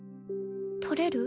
取れる？